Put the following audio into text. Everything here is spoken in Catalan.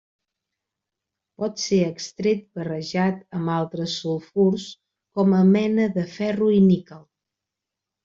Pot ser extret barrejat amb altres sulfurs com a mena de ferro i níquel.